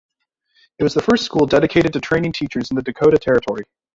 It was the first school dedicated to training teachers in the Dakota Territory.